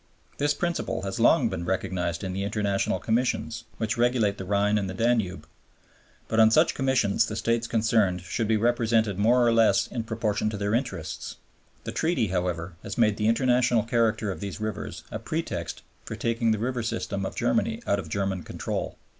This principle has long been recognized in the International Commissions which regulate the Rhine and the Danube. But on such Commissions the States concerned should be represented more or less in proportion to their interests. The Treaty, however, has made the international character of these rivers a pretext for taking the river system of Germany out of German control.